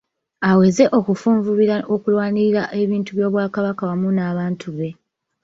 Aweze okufunvubira okulwanirira ebintu by’Obwakabaka wamu n’abantu be.